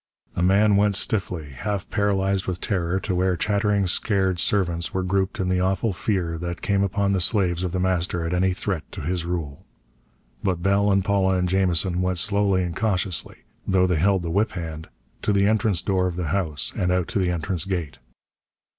A man went stiffly, half paralyzed with terror, to where chattering scared servants were grouped in the awful fear that came upon the slaves of The Master at any threat to his rule. But Bell and Paula and Jamison went slowly and cautiously though they held the whip hand to the entrance door of the house, and out to the entrance gate.